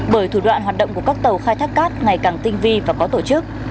bởi thủ đoạn hoạt động của các tàu khai thác cát ngày càng tinh vi và có tổ chức